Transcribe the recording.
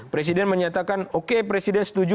presiden menyatakan oke presiden setuju